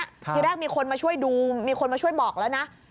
ทีแรกมีคนมาช่วยดูมีคนมาช่วยบอกแล้วนะ